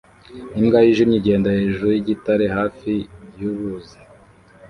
Imbwa yijimye igenda hejuru yigitare hafi yuruzi